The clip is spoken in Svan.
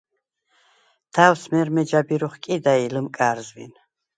და̄̈ვს მე̄რმე ჯაბირ ოხკი̄და ი ლჷმკა̄რზვინ.